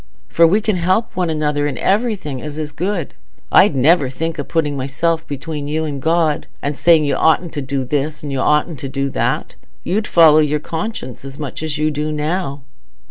For we can help one another in everything as is good. I'd never think o' putting myself between you and God, and saying you oughtn't to do this and you oughtn't to do that. You'd follow your conscience as much as you do now."